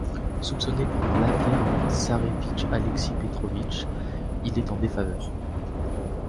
Soupçonné pendant l'affaire du tsarévitch Alexis Petrovitch, il est en défaveur.